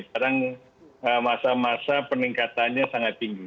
sekarang masa masa peningkatannya sangat tinggi